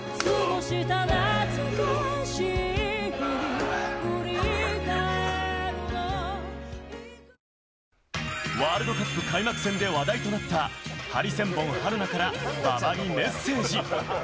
ハイクラスカードはダイナースクラブワールドカップ開幕戦で話題となったハリセンボン・春菜から馬場にメッセージ。